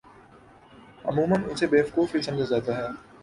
عموما اسے بیوقوف ہی سمجھا جاتا ہے۔